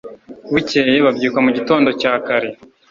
bukeye, babyuka mu gitondo cya kare